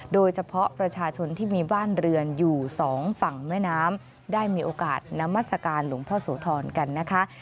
โดยเฉพาะประชาชนที่มีบ้านเรือนอยู่สองฝั่งแม่น้ำได้มีโอกาสนามัศกาลหลวงพ่อโสธรกันนะคะ